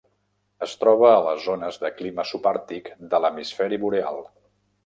Es troba a les zones de clima subàrtic de l'hemisferi boreal.